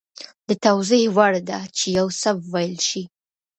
د توضیح وړ ده چې یو څه وویل شي